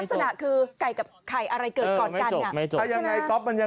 ลักษณะคือไก่กับไข่อะไรเกิดก่อนกันอ่ะ